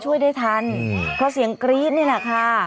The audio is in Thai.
ช่วยได้ทันเพราะเสียงกรี๊ดนี่แหละค่ะ